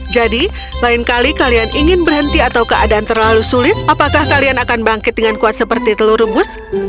jadi lain kali kalian ingin berhenti atau keadaan terlalu sulit apakah kalian akan bangkit dengan kuat seperti telur rebus